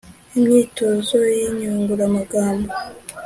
Imyitozo y’inyunguramagambo